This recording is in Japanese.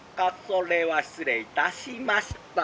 それは失礼いたしました」。